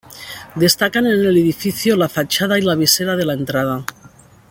Destacan en el edificio la fachada y la visera de la entrada.